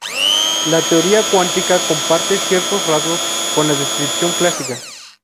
La teoría cuántica comparte ciertos rasgos con la descripción clásica.